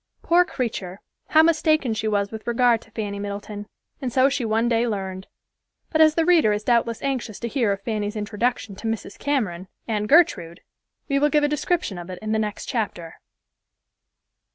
Poor creature! How mistaken she was with regard to Fanny Middleton, and so she one day learned. But as the reader is doubtless anxious to hear of Fanny's introduction to Mrs. Cameron and Gertrude, we will give a description of it in the next chapter.